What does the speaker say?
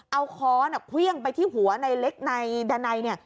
เอาค้อนเครื่องไปที่หัวในเล็กนายดันไน